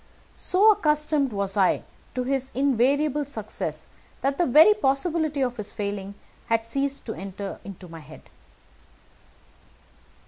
So accustomed was I to his invariable success that the very possibility of his failing had ceased to enter into my head.